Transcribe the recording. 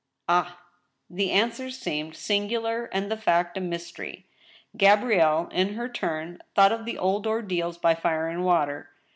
"Ah!" The answer seemed singular and the fact a mystery. Gabrielle, in her turn, thought of the old ordeals by fire and water.